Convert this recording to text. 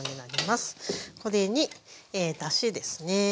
これにだしですね。